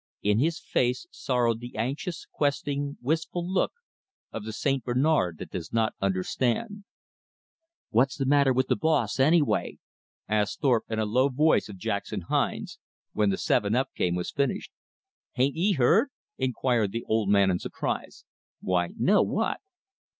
In his face sorrowed the anxious, questing, wistful look of the St. Bernard that does not understand. "What's the matter with the boss, anyway?" asked Thorpe in a low voice of Jackson Hines, when the seven up game was finished. "H'aint ye heard?" inquired the old man in surprise. "Why, no. What?"